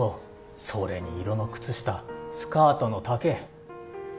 それに色の靴下スカートの丈